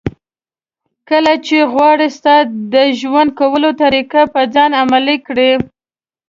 کله چې غواړي ستا د ژوند کولو طریقه په ځان عملي کړي.